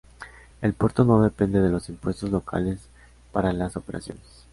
El puerto no depende de los impuestos locales para las operaciones.